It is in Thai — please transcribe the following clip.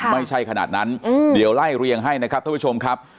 ไม่ใช่ขนาดนั้นเดี๋ยวไล่เรียงให้นะครับท่านผู้ชมครับ